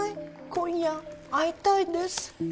「今夜会いたいです」